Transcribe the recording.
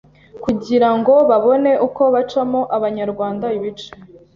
kugirango babone uko bacamo abanyarwanda ibice